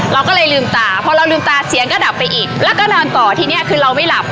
เราก็เลยลืมตาพอเราลืมตาเสียงก็ดับไปอีกแล้วก็นอนต่อทีนี้คือเราไม่หลับ